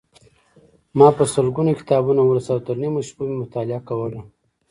ما په سلګونو کتابونه ولوستل او تر نیمو شپو مې مطالعه کوله.